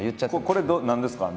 これ何ですか？